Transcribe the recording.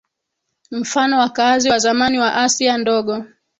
mfano wakaazi wa zamani wa Asia Ndogo